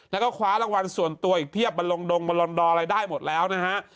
แล้วก็คว้ารางวัลส่วนตัวอีกเพียบมาลงดงมาลอนดออะไรได้หมดแล้วนะฮะ